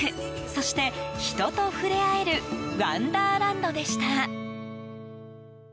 そして、人と触れ合えるワンダーランドでした。